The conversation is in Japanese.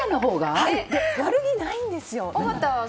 悪気ないんですよ。